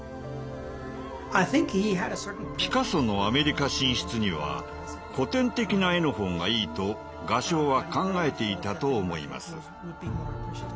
ピカソのアメリカ進出には古典的な絵の方がいいと画商は考えていたと思います。